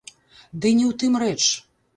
Ды не ў тым рэч.